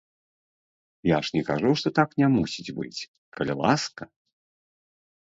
Я ж не кажу, што так не мусіць быць, калі ласка.